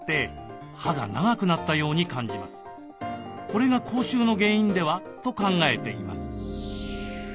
これが口臭の原因では？と考えています。